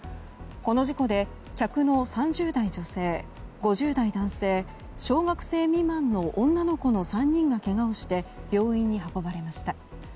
この事故で客の３０代女性５０代男性小学生未満の女の子の３人がけがをして病院に運ばれました。